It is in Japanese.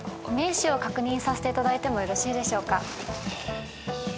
お名刺を確認させていただいてもよろしいでしょうか？